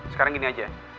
sekarang gini aja